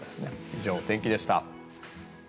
以上、お天気でした。